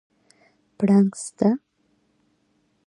پړانګ سته؟